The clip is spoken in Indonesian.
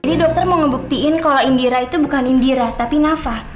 jadi dokter mau ngebuktiin kalau indira itu bukan indira tapi nafa